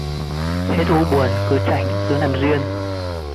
Hết u buồn cứ chảnh cứ làm duyên